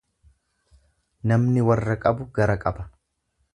Namni warra qabu gara qaba.